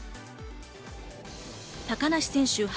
高梨選手